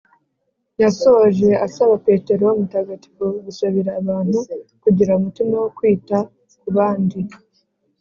yasoje asaba petero mutagatifu gusabira abantu kugira umutima wo kwita ku bandi